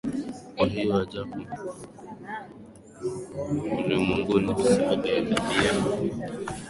Kwa hiyo ajapo ulimwenguni asema Dhabihu na toleo hukutaka Lakini mwili uliniwekea tayari Sadaka